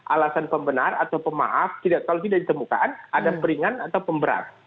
alasan pembenar atau pemaaf kalau tidak ditemukan ada peringan atau pemberat